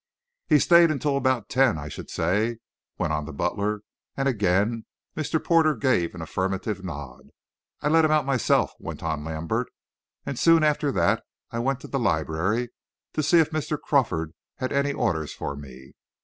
"He stayed until about ten, I should say," went on the butler, and again Mr. Porter gave an affirmative nod. "I let him out myself," went on Lambert, "and soon after that I went to the library to see if Mr. Crawford had any orders for me.